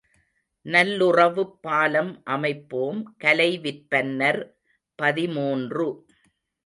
நல்லுறவுப் பாலம் அமைப்போம் கலை விற்பன்னர் பதிமூன்று .